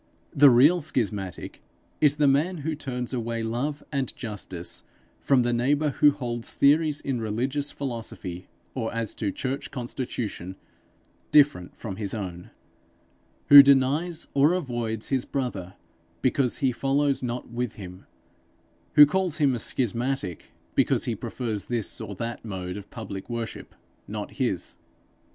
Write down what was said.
The real schismatic is the man who turns away love and justice from the neighbour who holds theories in religious philosophy, or as to church constitution, different from his own; who denies or avoids his brother because he follows not with him; who calls him a schismatic because he prefers this or that mode of public worship not his.